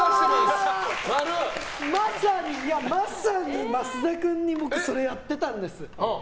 まさに増田君に僕、それやってたんです。